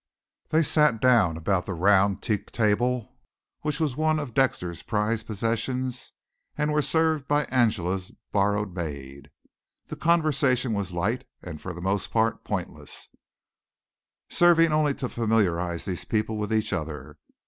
They sat down about the round teak table which was one of Dexter's prized possessions, and were served by Angela's borrowed maid. The conversation was light and for the most part pointless, serving only to familiarize these people with each other.